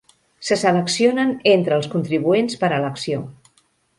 Se seleccionen entre els contribuents per elecció.